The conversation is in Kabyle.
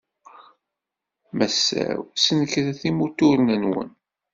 Massaw, snekret imuturen-nwen.